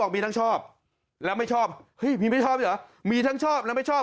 มีทั้งชอบและไม่ชอบ